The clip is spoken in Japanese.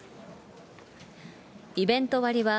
イベント割は、